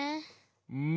うん。